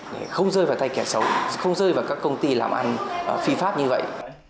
để không rơi vào tay kẻ xấu không rơi vào các công ty làm ăn phi pháp như vậy